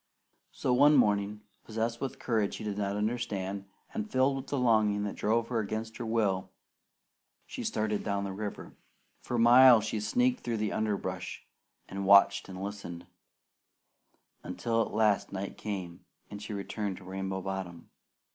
So one morning, possessed with courage she did not understand, and filled with longing that drove her against her will, she started down the river. For miles she sneaked through the underbrush, and watched and listened; until at last night came, and she returned to Rainbow Bottom.